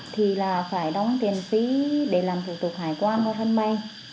thì là phải đóng tiền phí để làm thủ tục hải quan ra thân may